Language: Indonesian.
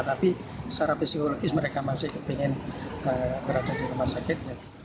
tapi secara psikologis mereka masih ingin keracunan rumah sakit